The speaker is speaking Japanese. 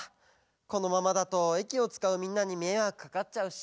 このままだと駅をつかうみんなにめいわくかかっちゃうし。